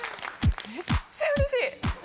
めっちゃうれしい！